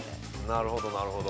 なるほどなるほど。